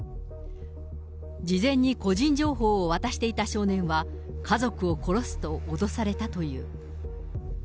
事前に個人情報を渡していた少年は、家族を殺すと脅されたという。